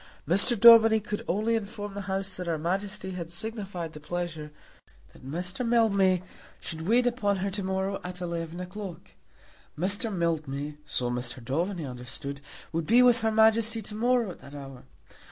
Mr. Daubeny could only inform the House that her Majesty had signified her pleasure that Mr. Mildmay should wait upon her to morrow at eleven o'clock. Mr. Mildmay, so Mr. Daubeny understood, would be with her Majesty to morrow at that hour.